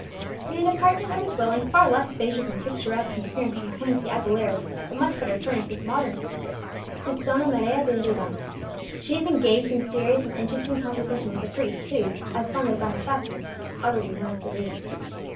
In an apartment of a dwelling far less spacious and picturesque in appearance than the home of the Aguileras, but much better furnished with modern comforts, sits Donna Maria de Rivas. She is engaged in serious and interesting conversation with a priest, who, as Father Bonifacio, is already known to the reader.